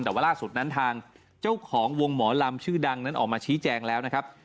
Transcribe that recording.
แต่ว่าล่าสุดนั้นทางเจ้าของวงหมอลำชื่อดังนั้นออกมาชี้แจงแล้วนะครับ